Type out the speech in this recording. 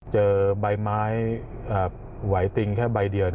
เจอใบไม้ไหวติงแค่ใบเดียว